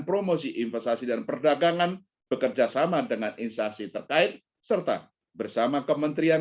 promosi investasi dan perdagangan bekerjasama dengan instansi terkait serta bersama kementerian